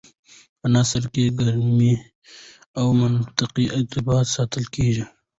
په نثر کي ګرامري او منطقي ارتباط ساتل کېږي.